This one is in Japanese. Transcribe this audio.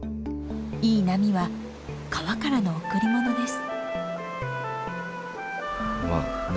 いい波は川からの贈り物です。